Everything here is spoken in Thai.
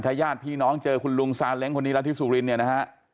ถ้าญาติพี่น้องเจอคุณวงสารเล็งคนนี้แล้วที่สุริณนะฮะ